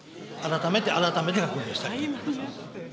改めて確認をしたいと思います。